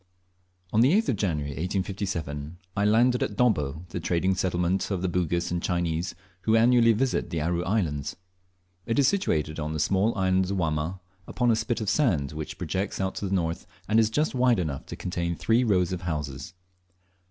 On the 8th of January, 1857, I landed at Dobbo, the trading settlement of the Bugis and Chinese, who annually visit the Aru Islands. It is situated on the small island of Wamma, upon a spit of sand which projects out to the north, and is just wide enough to contain three rows of houses.